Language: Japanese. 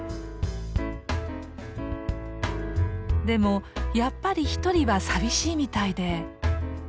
でもやっぱり一人は寂しいみたいで。